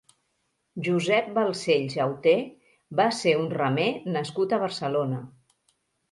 Josep Balcells Auter va ser un remer nascut a Barcelona.